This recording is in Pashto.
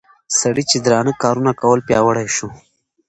سړي چې درانه کارونه کول پياوړى شو